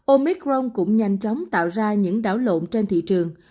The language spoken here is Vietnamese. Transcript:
omicron cũng nhanh chóng tạo ra những đảo lộn trên thị trường